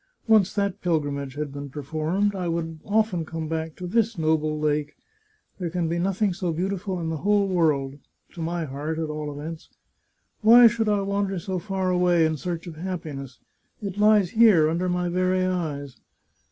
Once that pilgrimage had been performed, I would often come back to this noble lake. There can be nothing so beautiful in the whole world — to my heart, at all events! Why should I wander so far away in search of happiness? It lies here, under my very eyes.